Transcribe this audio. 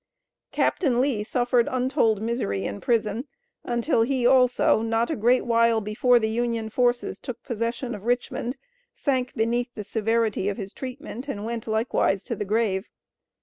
Captain Lee suffered untold misery in prison, until he, also, not a great while before the Union forces took possession of Richmond, sank beneath the severity of his treatment, and went likewise to the grave.